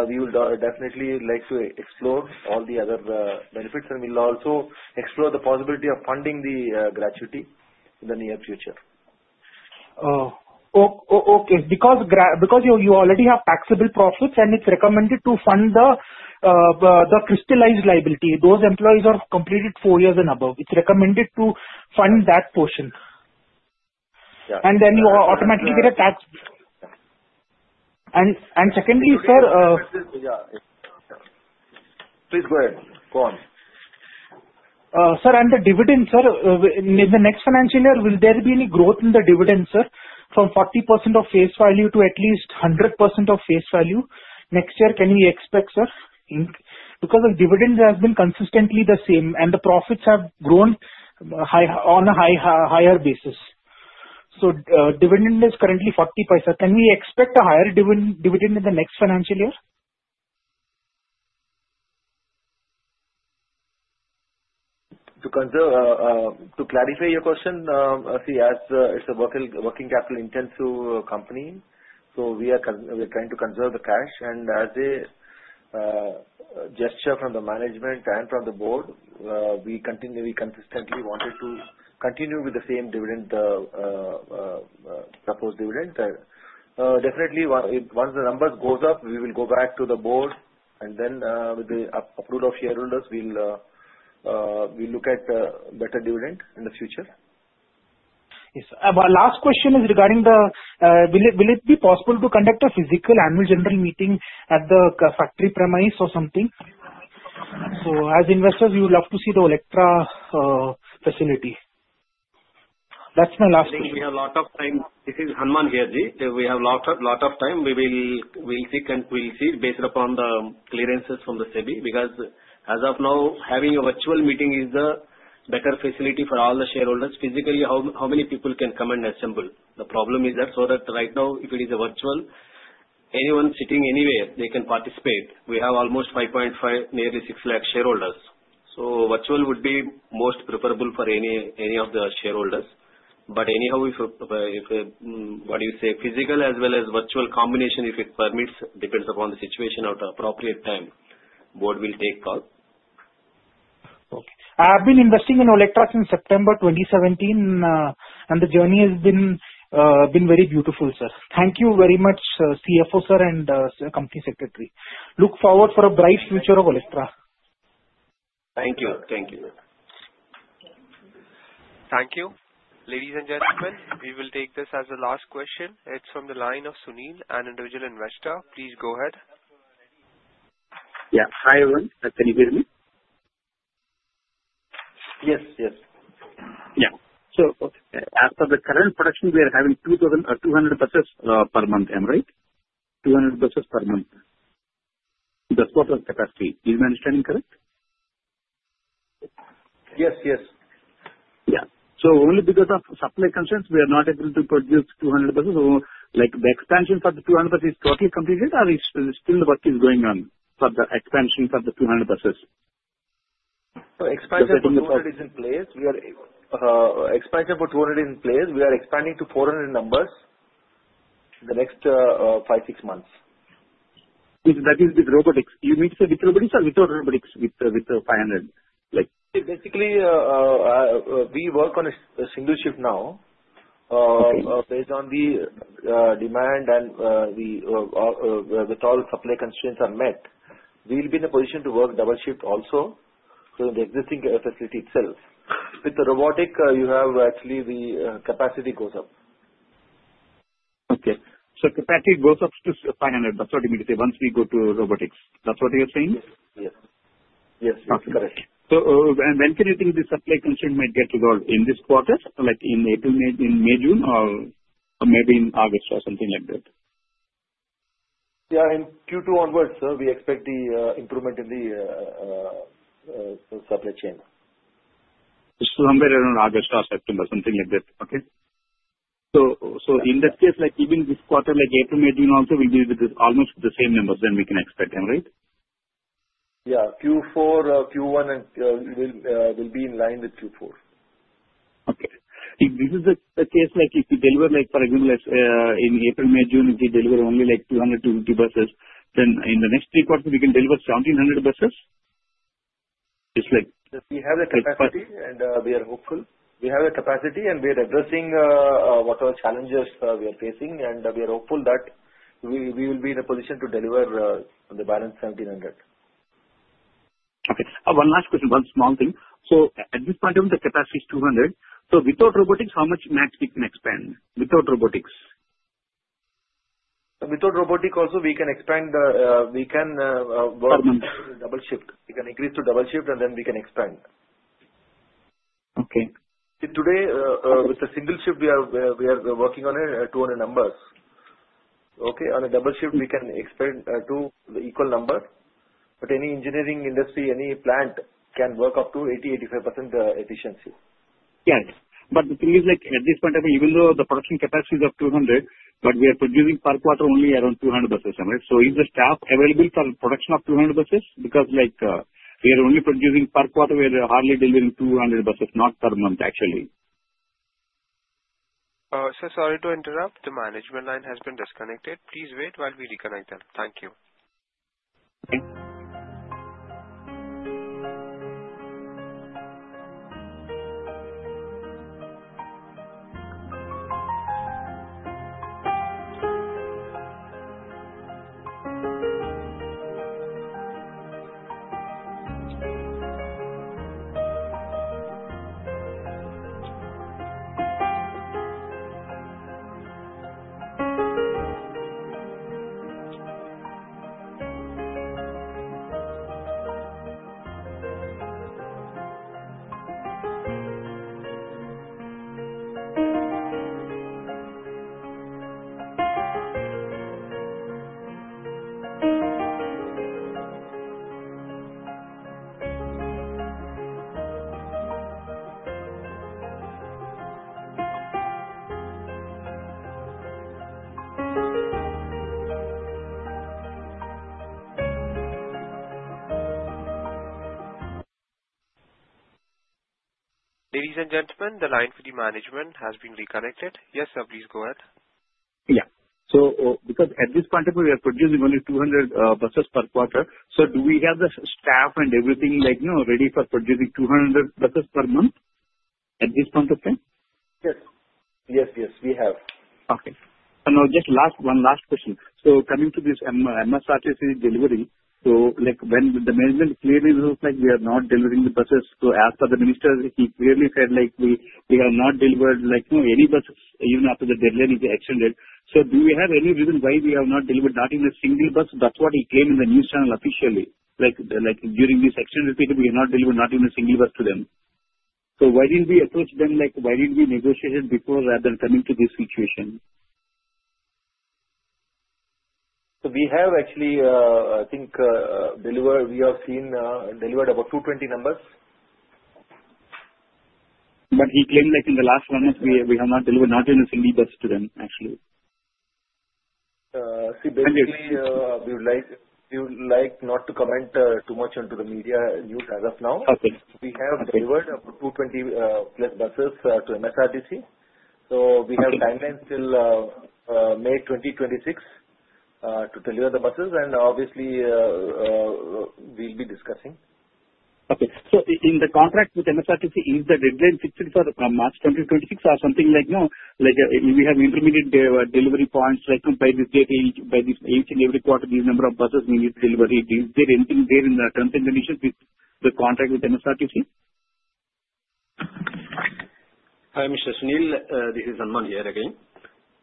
we will definitely like to explore all the other benefits, and we'll also explore the possibility of funding the gratuity in the near future. Okay. Because you already have taxable profits, and it's recommended to fund the crystallized liability. Those employees are completed four years and above. It's recommended to fund that portion. And then you automatically get a tax. And secondly, sir. Please go ahead. Go on. Sir, and the dividend, sir, in the next financial year, will there be any growth in the dividend, sir, from 40% of face value to at least 100% of face value next year? Can we expect, sir, because the dividend has been consistently the same, and the profits have grown on a higher basis, so dividend is currently 40%. Can we expect a higher dividend in the next financial year? To clarify your question, see, as it's a working capital-intensive company, so we are trying to conserve the cash. And as a gesture from the management and from the Board, we consistently wanted to continue with the same proposed dividend. Definitely, once the numbers go up, we will go back to the Board. And then with the approval of shareholders, we'll look at better dividend in the future. Yes, sir. My last question is regarding, will it be possible to conduct a physical annual general meeting at the factory premises or something? So as investors, you would love to see the Olectra facility. That's my last question. We have a lot of time. This is P. Hanuman Prasad. We have a lot of time. We will seek and we'll see based upon the clearances from the SEBI because as of now, having a virtual meeting is the better facility for all the shareholders. Physically, how many people can come and assemble? The problem is that so that right now, if it is a virtual, anyone sitting anywhere, they can participate. We have almost 5.5, nearly 6 lakh shareholders. So virtual would be most preferable for any of the shareholders. But anyhow, what do you say? Physical as well as virtual combination, if it permits, depends upon the situation at appropriate time. Board will take call. Okay. I have been investing in Olectra since September 2017, and the journey has been very beautiful, sir. Thank you very much, CFO, sir, and Company Secretary. Look forward for a bright future of Olectra. Thank you. Thank you. Thank you. Ladies and gentlemen, we will take this as the last question. It's from the line of Sunil, an individual investor. Please go ahead. Yeah. Hi, Everyone. Can you hear me? Yes. Yes. Yeah. So as for the current production, we are having 200 buses per month, am I right? 200 buses per month. That's what the capacity is. Is my understanding correct? Yes. Yes. Yeah. So only because of supply constraints, we are not able to produce 200 buses. So the expansion for the 200 buses is totally completed, or still the work is going on for the expansion for the 200 buses? Expansion for 200 is in place. Expansion for 200 is in place. We are expanding to 400 numbers in the next five, six months. That is with roboticss. You mean to say with roboticss or without roboticss with the 500? Basically, we work on a single shift now. Based on the demand and the total supply constraints are met, we'll be in a position to work double shift also in the existing facility itself. With the robotics, you have actually the capacity goes up. Okay. So capacity goes up to 500. That's what you mean to say once we go to roboticss. That's what you're saying? Yes. Yes. Yes. That's correct. So when can you think the supply constraint might get resolved? In this quarter, like in May, June, or maybe in August or something like that? Yeah. In Q2 onwards, sir, we expect the improvement in the supply chain. So somewhere around August or September, something like that. Okay. So in that case, even this quarter, like April, May, June also, we'll be almost the same numbers than we can expect, am I right? Yeah. Q4, Q1, and we'll be in line with Q4. Okay. If this is the case, if we deliver, for example, in April, May, June, if we deliver only 220 buses, then in the next three quarters, we can deliver 1,700 buses? Yes. We have the capacity, and we are hopeful. We have the capacity, and we are addressing whatever challenges we are facing, and we are hopeful that we will be in a position to deliver the balance 1,700. Okay. One last question, one small thing. So at this point, the capacity is 200. So without roboticss, how much max we can expand without roboticss? Without roboticss also, we can expand. We can work double shift. We can increase to double shift, and then we can expand. Okay. Today, with the single shift, we are working on 200 numbers. Okay. On a double shift, we can expand to the equal number. But any engineering industry, any plant can work up to 80%-85% efficiency. Yeah. But the thing is, at this point, even though the production capacity is up to 200, but we are producing per quarter only around 200 buses, am I right? So is the staff available for production of 200 buses? Because we are only producing per quarter. We are hardly delivering 200 buses, not per month, actually. Sir, sorry to interrupt. The management line has been disconnected. Please wait while we reconnect them. Thank you. Ladies and gentlemen, the line for the management has been reconnected. Yes, sir, please go ahead. Yeah. So because at this point, we are producing only 200 buses per quarter, so do we have the staff and everything ready for producing 200 buses per month at this point of time? Yes. Yes. Yes. We have. Okay. And now, just one last question. So coming to this MSRTC delivery, so when the management clearly looks like we are not delivering the buses, so as for the minister, he clearly said we have not delivered any buses even after the deadline is extended. So do we have any reason why we have not delivered not even a single bus? That's what he claimed in the news channel officially. During this extended period, we have not delivered not even a single bus to them. So why didn't we approach them? Why didn't we negotiate it before rather than coming to this situation? We have actually, I think, delivered about 220 numbers. But he claimed in the last one month, we have not delivered not even a single bus to them, actually. See, basically, we would like not to comment too much on the media news as of now. We have delivered 220 plus buses to MSRTC. So we have timelines till May 2026 to deliver the buses. And obviously, we'll be discussing. Okay. So in the contract with MSRTC, is the deadline fixed for March 2026 or something like now? We have intermediate delivery points by this date. By each and every quarter, this number of buses we need to deliver. Is there anything there in the terms and conditions with the contract with MSRTC? Hi, Mr. Sunil. This is Hanuman here again.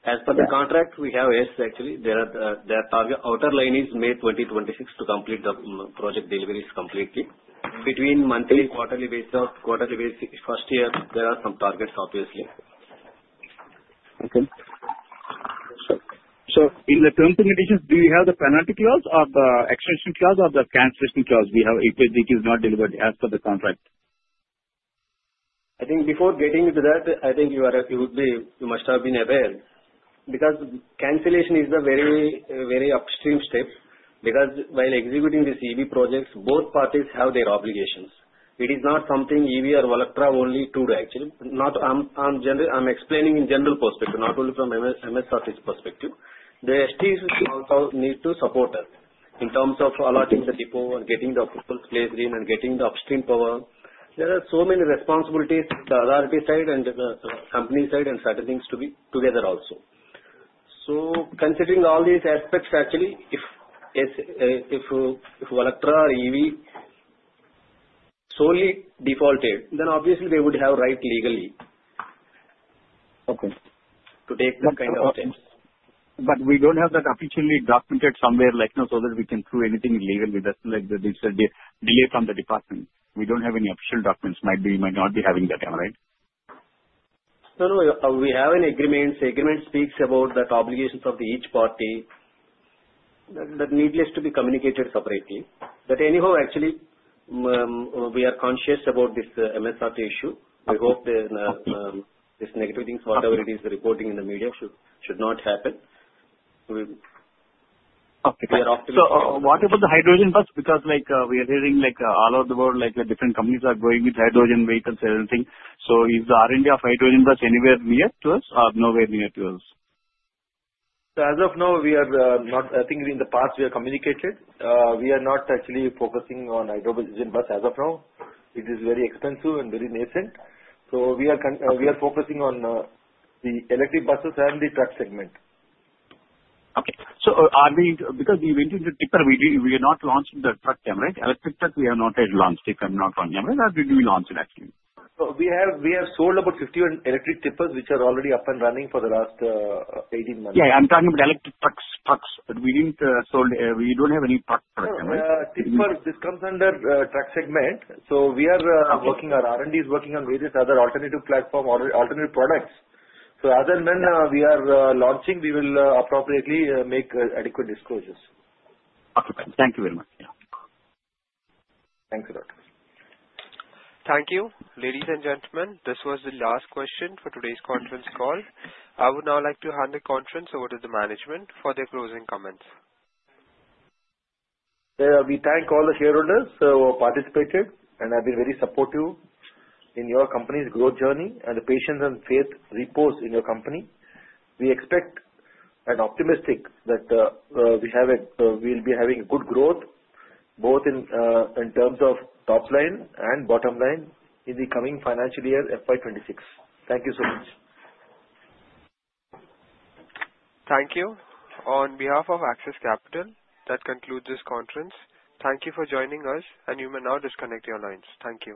As for the contract, we have yes, actually. The timeline is May 2026 to complete the project deliveries completely. Between monthly, quarterly basis, first year, there are some targets, obviously. Okay, so in the terms and conditions, do we have the penalty clause or the extension clause or the cancellation clause if it is not delivered as per the contract? I think before getting into that, I think you must have been aware because cancellation is a very upstream step. Because while executing these EV projects, both parties have their obligations. It is not something EV or Olectra only do, actually. I'm explaining in general perspective, not only from MSRTC perspective. The STs also need to support us in terms of allotting the depot and getting the people's place in and getting the upstream power. There are so many responsibilities, the authority side and the company side and certain things to be together also. So considering all these aspects, actually, if Olectra or EV solely defaulted, then obviously they would have a right legally to take that kind of thing. But we don't have that officially documented somewhere so that we can prove anything legally. That's like delay from the department. We don't have any official documents. We might not be having that, am I right? No, no. We have an agreement. The agreement speaks about the obligations of each party. That need not be communicated separately. But anyhow, actually, we are conscious about this MSRTC issue. We hope these negative things, whatever it is reporting in the media, should not happen. Okay. So what about the hydrogen bus? Because we are hearing all over the world, different companies are going with hydrogen vehicles and everything. So is the R&D of hydrogen bus anywhere near to us or nowhere near to us? So, as of now, we are not. I think in the past, we have communicated. We are not actually focusing on hydrogen bus as of now. It is very expensive and very nascent. So, we are focusing on the electric buses and the truck segment. Okay. So because we went into tipper, we are not launching the truck, am I right? Electric truck, we have not yet launched tipper, not one. What did we launch it, actually? We have sold about 51 electric tippers, which are already up and running for the last 18 months. Yeah. I'm talking about electric trucks. We don't have any truck production, right? This comes under truck segment. So our R&D is working on various other alternative platforms, alternative products. So as and when we are launching, we will appropriately make adequate disclosures. Okay. Thank you very much. Thanks a lot. Thank you. Ladies and gentlemen, this was the last question for today's conference call. I would now like to hand the conference over to the management for their closing comments. We thank all the shareholders who participated and have been very supportive in your company's growth journey and the patience and faith reposed in your company. We expect and optimistic that we will be having good growth both in terms of top line and bottom line in the coming financial year FY26. Thank you so much. Thank you. On behalf of Axis Capital, that concludes this conference. Thank you for joining us, and you may now disconnect your lines. Thank you.